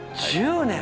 １０年！